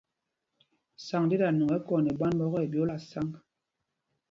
Sǎŋg ɗí ta nwɔŋ ɛkɔɔ nɛ mbwán ɔ́kɛ, ɛ ɓyōōla sǎŋg.